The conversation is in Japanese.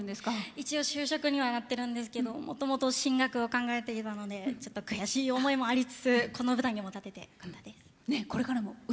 一応、就職にはなってるんですけどもともと進学を考えていたのでちょっと悔しい思いもありつつこの舞台にも立てて光栄です。